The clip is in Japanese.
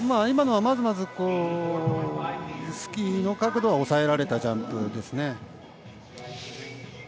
今のはまずまずスキーの角度は抑えられたジャンプですね。